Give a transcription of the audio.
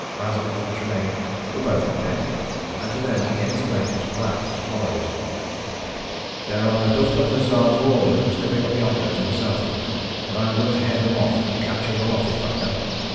Mazanoff and Tremayne were both on deck, and to them he explained his plans as follows "There are a dozen of the Tsar's war balloons coming up yonder to the southward, and I am going to head them off and capture the lot if I can.